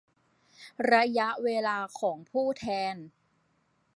ระยะเวลาของผู้แทน